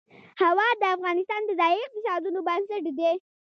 هوا د افغانستان د ځایي اقتصادونو بنسټ دی.